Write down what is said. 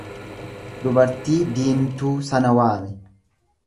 Dubartii diintuu sana waami.